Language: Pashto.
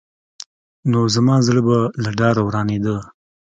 نو زما زړه به له ډاره ورانېده.